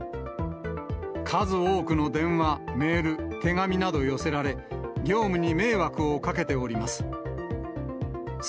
数多くの電話、メール、手紙など寄せられ、業務に迷惑をかけております。